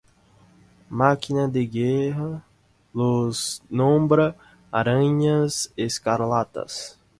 Máquina de Guerra los nombra Arañas Escarlatas.